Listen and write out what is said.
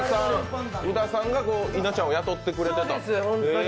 宇田さんが稲ちゃんを雇ってくれてた。